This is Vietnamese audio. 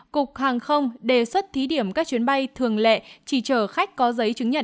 cục hàng không đề xuất thí điểm các chuyến bay thường lệ chỉ chở khách có giấy chứng nhận